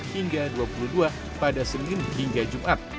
hingga dua puluh dua pada senin hingga jumat